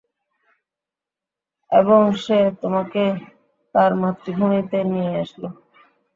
এবং সে তোমাকে তার মাতৃভূমিতে নিয়ে আসলো।